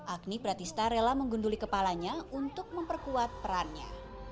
agni pratista rela menggunduli kepalanya untuk memperkuat perannya